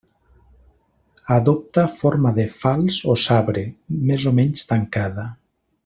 Adopta forma de falç o sabre, més o menys tancada.